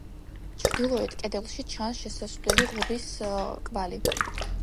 ჩრდილოეთ კედელში ჩანს შესასვლელი ღიობის კვალი.